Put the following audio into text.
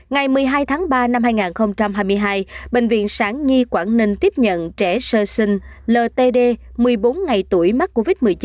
ngày một mươi hai tháng ba năm hai nghìn hai mươi hai bệnh viện sản nhi quảng ninh tiếp nhận trẻ sơ sinh ltd một mươi bốn ngày tuổi mắc covid một mươi chín